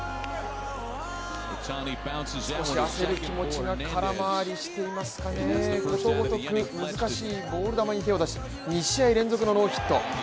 少し焦る気持ちが空回りしていますかね、ことごとく難しいボール球に手を出し２試合連続のノーヒット。